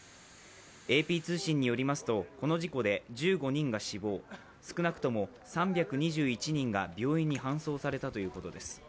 ＡＰ通信によりますとこの事故で１５人が死亡、少なくとも３２１人が病院に搬送されたということです。